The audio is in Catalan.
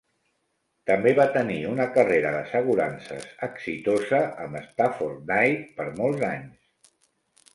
També va tenir una carrera d'assegurances exitosa amb Stafford Knight per molts anys.